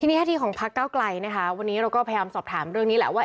ทีนี้หน้าที่ของพักเก้าไกลนะคะวันนี้เราก็พยายามสอบถามเรื่องนี้แหละว่า